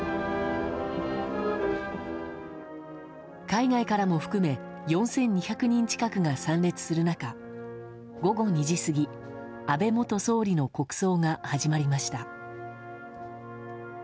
海外からも含め４２００人近くが参列する中午後２時過ぎ、安倍元総理の国葬が始まりました。